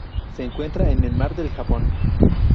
Se encuentra en el Mar del Japón.